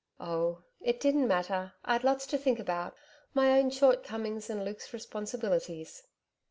'Oh, it didn't matter. I'd lots to think about my own shortcomings and Luke's responsibilities.'